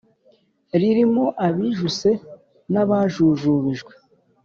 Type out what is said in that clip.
Ririmo abijuse n'abajujubijwe